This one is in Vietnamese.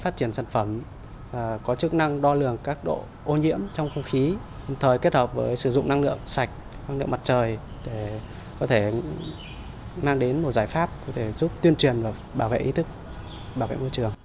tính năng lượng các độ ô nhiễm trong không khí thời kết hợp với sử dụng năng lượng sạch năng lượng mặt trời để có thể mang đến một giải pháp có thể giúp tuyên truyền và bảo vệ ý thức bảo vệ môi trường